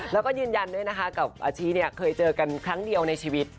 แล้วก็ยืนยันด้วยนะคะกับอาชิเนี่ยเคยเจอกันครั้งเดียวในชีวิต